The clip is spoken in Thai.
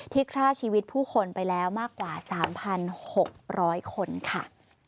ฆ่าชีวิตผู้คนไปแล้วมากกว่า๓๖๐๐คนค่ะ